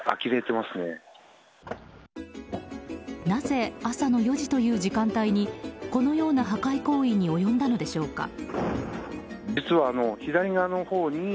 なぜ朝の４時という時間帯にこのような破壊行為に及んだのでしょうか。